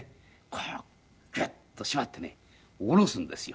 こうグッと縛ってね下ろすんですよ